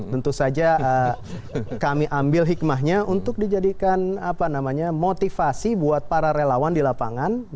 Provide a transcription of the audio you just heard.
tentu saja kami ambil hikmahnya untuk dijadikan motivasi buat para relawan di lapangan